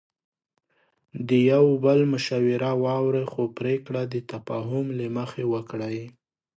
د یو بل مشوره واورئ، خو پریکړه د تفاهم له مخې وکړئ.